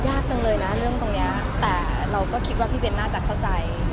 ยากจังเลยนะเรื่องตรงนี้แต่เราก็คิดว่าพี่เบนน่าจะเข้าใจ